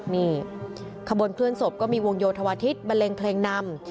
นี่ขบวนเคลื่อนศพก็มีวงโยธวาทิศบันเลงเพลงนำ